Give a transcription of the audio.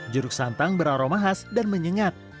jeruk santang beraroma khas dan menyengat